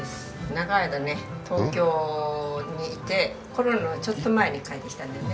長い間ね東京にいてコロナのちょっと前に帰ってきたんだよね。